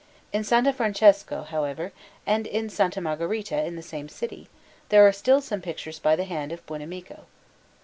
In S. Francesco, however, and in S. Margherita, in the same city, there are still some pictures by the hand of Buonamico.